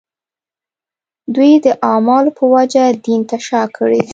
دوی د اعمالو په وجه دین ته شا کړي.